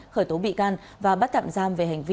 khởi tố bị can và bắt tạm giam về hành vi